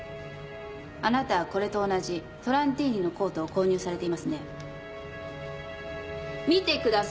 あなたはこれと同じトランティーニのコートを購入されていますね。